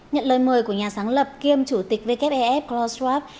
nhận lời mời của nhà sáng lập kiêm chủ tịch vkpf klaus schwab